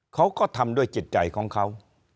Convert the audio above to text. เขาก็ทำด้วยจิตใจของเขา